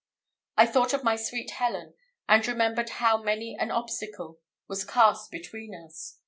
I thought of my sweet Helen, and remembered how many an obstacle was cast between us.